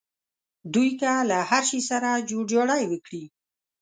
دوی که له هر شي سره جوړجاړی وکړي.